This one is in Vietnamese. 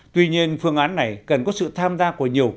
tuy nhiên phương án này cần có sự tham gia của nhiều cơ quan